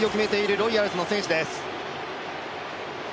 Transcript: ロイヤルズの選手です。